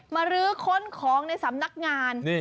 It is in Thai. รื้อค้นของในสำนักงาน